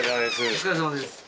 お疲れさまです。